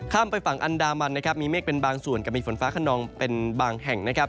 ไปฝั่งอันดามันนะครับมีเมฆเป็นบางส่วนกับมีฝนฟ้าขนองเป็นบางแห่งนะครับ